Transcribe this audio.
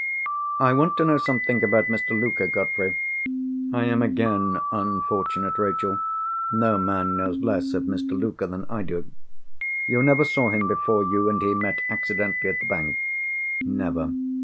"I want to know something about Mr. Luker, Godfrey." "I am again unfortunate, Rachel. No man knows less of Mr. Luker than I do." "You never saw him before you and he met accidentally at the bank?" "Never."